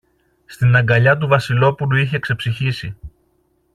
Στην αγκαλιά του Βασιλόπουλου είχε ξεψυχήσει.